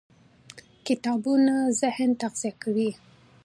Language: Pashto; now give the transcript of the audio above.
کتابونه د ذهن تغذیه کوي.